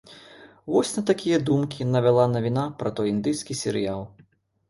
Вось на такія думкі навяла навіна пра той індыйскі серыял.